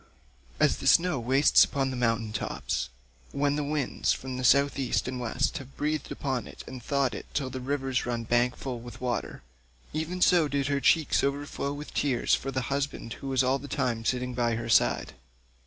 As the snow wastes upon the mountain tops when the winds from South East and West have breathed upon it and thawed it till the rivers run bank full with water, even so did her cheeks overflow with tears for the husband who was all the time sitting by her side.